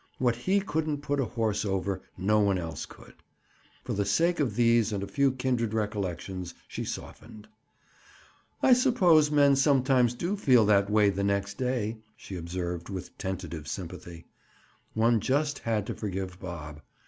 What he couldn't put a horse over, no one else could. For the sake of these and a few kindred recollections, she softened. "I suppose men sometimes do feel that way the next day," she observed with tentative sympathy. One just had to forgive Bob.